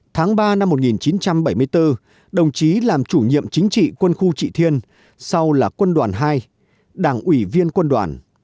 tháng ba năm một nghìn chín trăm bảy mươi bốn đồng chí làm chủ nhiệm chính trị quân khu trị thiên sau là quân đoàn hai đảng ủy viên quân đoàn